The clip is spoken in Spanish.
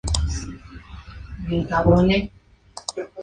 Allí formó pareja de delanteros con Dixie Dean.